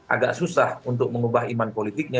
agak susah untuk mengubah iman politiknya